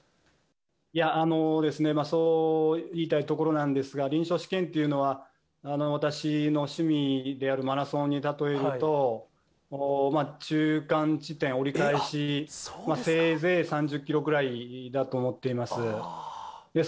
いや、そう言いたいところなんですが、臨床試験っていうのは、私の趣味であるマラソンに例えると、中間地点、折り返し、せいぜい３０キロぐらいだと思っています。